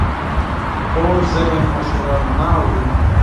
کوږ ذهن مشوره نه اوري